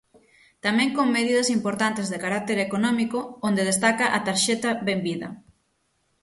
Tamén con medidas importantes de carácter económico, onde destaca a Tarxeta Benvida.